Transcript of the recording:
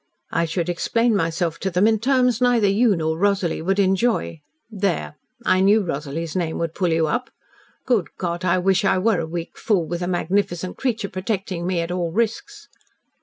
I should explain myself to them in terms neither you nor Rosalie would enjoy. There! I knew Rosalie's name would pull you up. Good God! I wish I were a weak fool with a magnificent creature protecting me at all risks."